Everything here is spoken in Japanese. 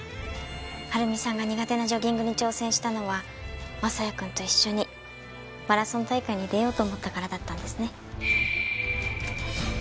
晴美さんが苦手なジョギングに挑戦したのは将也くんと一緒にマラソン大会に出ようと思ったからだったんですね。